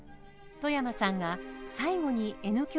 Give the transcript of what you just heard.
外山さんが最後にＮ響